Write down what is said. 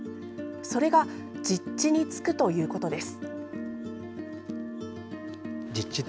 それが「実地につく」ということです。